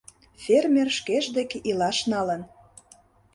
— Фермер шкеж деке илаш налын.